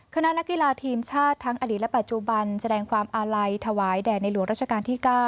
นักกีฬาทีมชาติทั้งอดีตและปัจจุบันแสดงความอาลัยถวายแด่ในหลวงราชการที่๙